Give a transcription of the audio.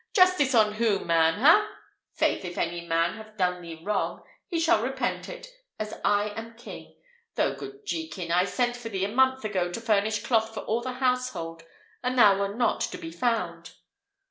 "Justice on whom, man ha? Faith, if any man have done thee wrong, he shall repent it, as I am a king; though, good Jekin, I sent for thee a month ago to furnish cloth for all the household, and thou wert not to be found."